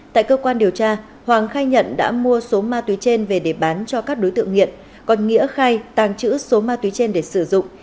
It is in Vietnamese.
tại cơ quan điều tra hoàng khai nhận đã mua số ma túy trên về để bán cho các đối tượng nghiện còn nghĩa khai tàng trữ số ma túy trên để sử dụng